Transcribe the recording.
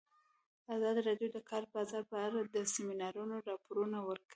ازادي راډیو د د کار بازار په اړه د سیمینارونو راپورونه ورکړي.